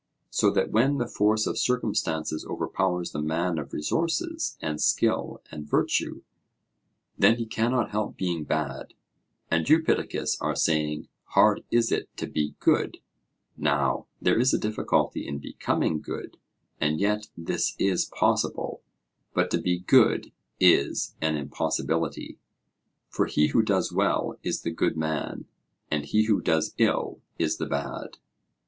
So that when the force of circumstances overpowers the man of resources and skill and virtue, then he cannot help being bad. And you, Pittacus, are saying, 'Hard is it to be good.' Now there is a difficulty in becoming good; and yet this is possible: but to be good is an impossibility 'For he who does well is the good man, and he who does ill is the bad.'